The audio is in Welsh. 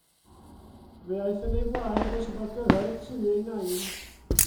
Fe aeth yn ei flaen nes iddo gyrraedd tŷ ei nain.